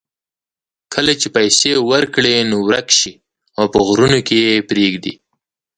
کله چې پیسې ورکړې نو ورک شي او په غرونو کې یې پرېږدي.